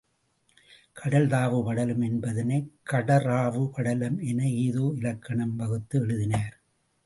கடல் தாவு படலம் என்பதனைக் கடறாவு படலம் என ஏதோ இலக்கணம் வகுத்து எழுதினர்.